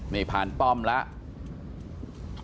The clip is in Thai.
นี่ผ่านป้อมแล้ว